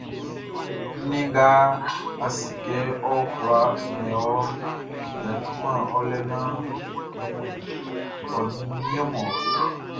Nnɛn nga a si kɛ ɔ kwla min wɔʼn, ɔ yaciman ɔ lɛ naan ɔ ɲin ɔ.